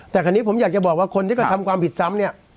แต่คราวนี้ผมอยากจะบอกว่าคนที่กระทำความผิดซ้ำเนี่ย